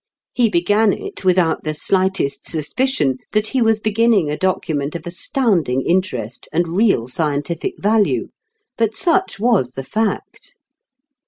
He began it without the slightest suspicion that he was beginning a document of astounding interest and real scientific value; but such was the fact.